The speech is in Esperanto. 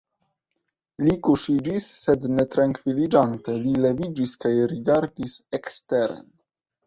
Li kuŝiĝis sed ne trankviliĝante li leviĝis kaj rigardis eksteren.